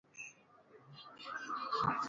kata wach moro manyalo miyo ng'ato opar matut.